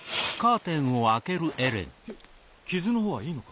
傷のほうはいいのか？